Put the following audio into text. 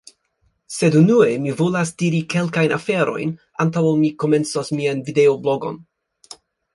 Sed unue, mi volas diri kelkajn aferojn, antaŭ ol mi komencos mian videoblogon.